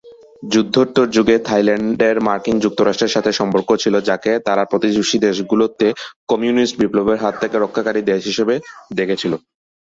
যুদ্ধোত্তর যুগে থাইল্যান্ডের মার্কিন যুক্তরাষ্ট্রের সাথে সম্পর্ক ছিল যাকে তারা প্রতিবেশী দেশগুলিতে কমিউনিস্ট বিপ্লবের হাত থেকে রক্ষাকারী দেশ হিসাবে দেখেছিল।